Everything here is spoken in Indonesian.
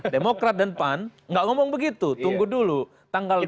demokrat dan pan gak ngomong begitu tunggu dulu tanggal dua puluh dua mei